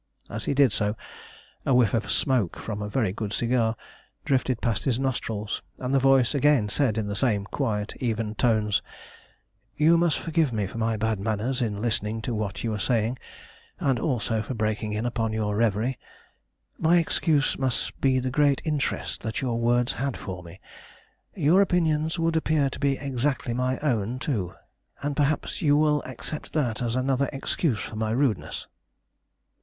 As he did so, a whiff of smoke from a very good cigar drifted past his nostrils, and the voice said again in the same quiet, even tones "You must forgive me for my bad manners in listening to what you were saying, and also for breaking in upon your reverie. My excuse must be the great interest that your words had for me. Your opinions would appear to be exactly my own, too, and perhaps you will accept that as another excuse for my rudeness."